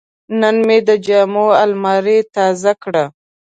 نن مې د جامو الماري تازه کړه.